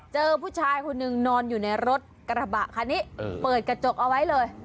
เจอผู้ชายคนหนึ่งนอนอยู่ในรถกระบะคันนี้เปิดกระจกเอาไว้เลย